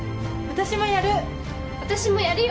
私もやる！